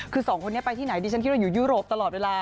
คือสองคนนี้ไปที่ไหนดิฉันคิดว่าอยู่ยุโรปตลอดเวลา